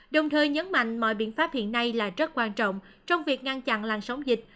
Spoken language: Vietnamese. đồng thời nhấn mạnh mọi biện pháp hiện nay là rất quan trọng trong việc ngăn chặn lan sóng dịch